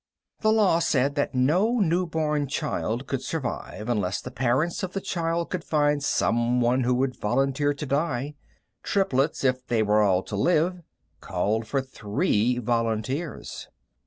The law said that no newborn child could survive unless the parents of the child could find someone who would volunteer to die. Triplets, if they were all to live, called for three volunteers.